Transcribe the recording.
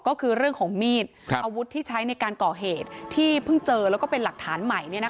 ก็คือเรื่องของมีดอาวุธที่ใช้ในการก่อเหตุที่เพิ่งเจอแล้วก็เป็นหลักฐานใหม่